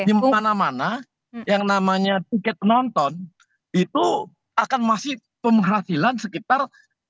di mana mana yang namanya tiket penonton itu akan masih penghasilan sekitar